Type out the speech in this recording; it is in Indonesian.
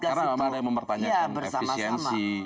karena ada yang mempertanyakan efisiensi